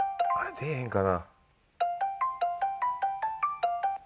出えへんかな？